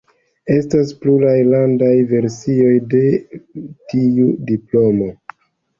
Estas pluraj landaj versioj de tiu diplomo.